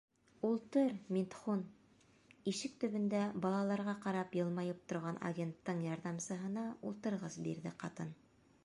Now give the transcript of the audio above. Ултыр, Митхун, -ишек төбөндә балаларға ҡарап йылмайып торған агенттың ярҙамсыһына ултырғыс бирҙе ҡатын.